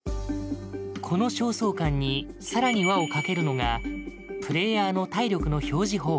この焦燥感に更に輪をかけるのがプレイヤーの体力の表示方法。